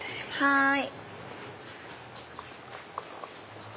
はい。